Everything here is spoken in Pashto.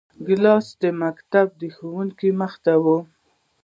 ګیلاس د مکتب د ښوونکي مخې ته وي.